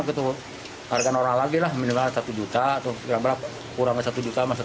sama gitu harga orang lagi lah minumlah satu juta atau berapa kurangnya satu juta masa